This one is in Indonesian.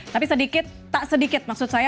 tapi sedikit tak sedikit maksud saya